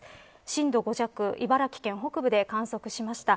震度５弱茨城県北部で観測しました。